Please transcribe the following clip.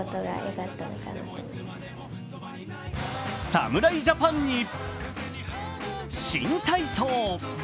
侍ジャパンに新体操。